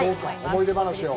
思い出話を。